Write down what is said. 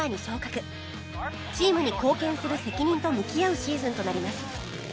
チームに貢献する責任と向き合うシーズンとなります